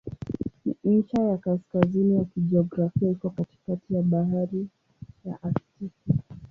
Ncha ya kaskazini ya kijiografia iko katikati ya Bahari ya Aktiki.